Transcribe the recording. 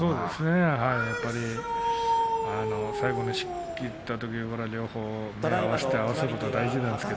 やっぱり最後に仕切ったとき目を合わせて仕切ることが大事なんです。